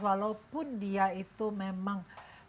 walaupun dia itu memang